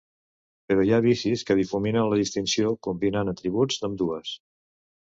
Però hi ha bicis que difuminen la distinció combinant atributs d'ambdues.